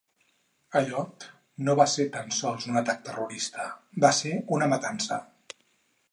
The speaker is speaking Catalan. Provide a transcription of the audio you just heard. Allò no va ser tan sols un atac terrorista, va ser una matança.